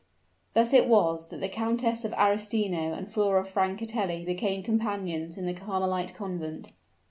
Thus it was that the Countess of Arestino and Flora Francatelli became companions in the Carmelite convent.